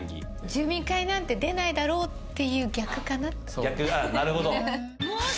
住民会なんて出ないだろうっていう逆かなと思って。